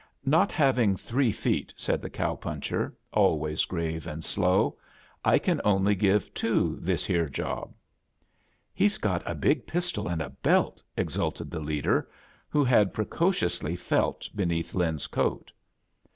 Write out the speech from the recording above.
"Not having three feet," said the cow puncher, always grave and slow, "I can only give two this here job." "He's got a big pistol and a belt!" ex ulted the leader, who had precociously felt beneath Lin's coat.